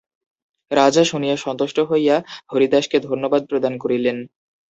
রাজা শুনিয়া সন্তুষ্ট হইয়া হরিদাসকে ধন্যবাদ প্রদান করিলেন।